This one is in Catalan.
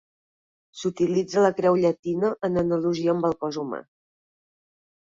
S'utilitza la creu llatina en analogia amb el cos humà.